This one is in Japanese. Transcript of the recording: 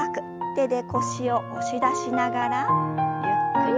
手で腰を押し出しながらゆっくりと後ろ。